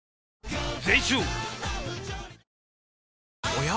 おや？